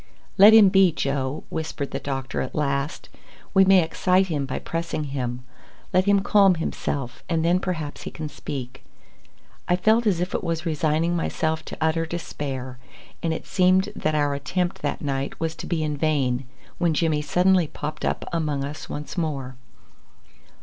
"Let him be, Joe," whispered the doctor at last; "we may excite him by pressing him. Let him calm himself, and then perhaps he can speak." I felt as if it was resigning myself to utter despair, and it seemed that our attempt that night was to be in vain, when Jimmy suddenly popped up among us once more.